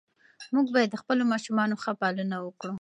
موږ باید د خپلو ماشومانو ښه پالنه وکړو.